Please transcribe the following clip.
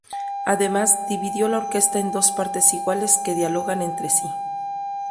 Además dividió la orquesta en dos partes iguales que dialogan entre sí.